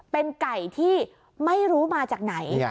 เป็นไก่ที่ไม่รู้มาจากไหน